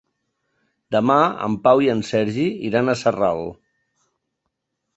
Demà en Pau i en Sergi iran a Sarral.